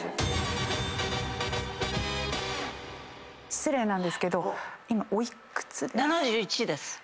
失礼なんですけど今お幾つで？